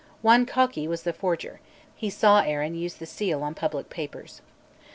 One Cokky was the forger; he saw Arran use the seal on public papers.